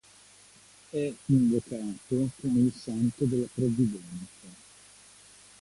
È invocato come il "Santo della Provvidenza".